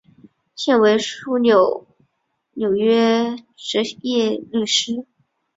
现为纽约执业律师。